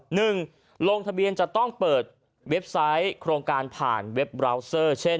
หนึ่งลงทะเบียนจะต้องเปิดเว็บไซต์โครงการผ่านเว็บบราวเซอร์เช่น